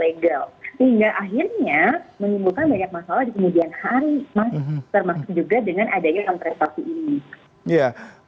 sehingga akhirnya menimbulkan banyak masalah di kemudian hari mas termasuk juga dengan adanya kontestasi ini